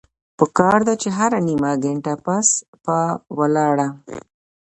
پکار ده چې هره نيمه ګنټه پس پۀ ولاړه